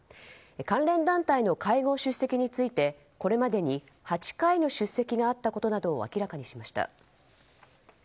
関連団体の会合出席についてこれまでに８回の出席があったことなどを明らかにしました。